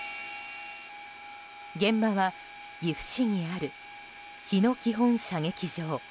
現場は岐阜市にある日野基本射撃場。